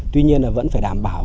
tuy nhiên là vẫn phải đảm bảo